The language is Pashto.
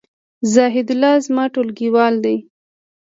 زاهیدالله زما ټولګیوال دی